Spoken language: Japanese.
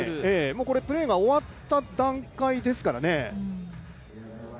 もうプレーが終わった段階ですからね。